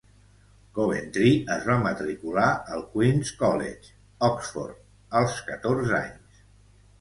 Coventry es va matricular al Queens College, Oxford, als catorze anys.